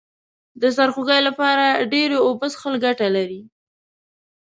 د سرخوږي لپاره ډیرې اوبه څښل گټه لري